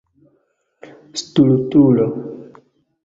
Stultulo.